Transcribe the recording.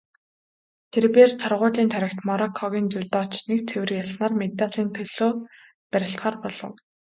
Тэр бээр торгуулийн тойрогт Мороккогийн жүдочийг цэвэр ялснаар медалийн төлөө барилдахаар болов.